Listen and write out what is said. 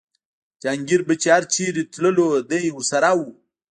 جهانګیر به چې هر چېرې تللو دی ورسره و.